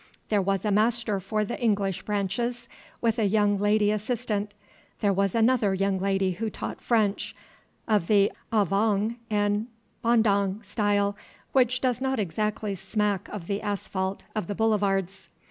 There was a master for the English branches, with a young lady assistant. There was another young lady who taught French, of the ahvaung and baundahng style, which does not exactly smack of the asphalt of the Boulevards.